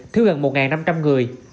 thiếu gần một năm trăm linh người